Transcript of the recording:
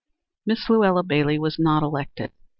Miss Luella Bailey was not elected.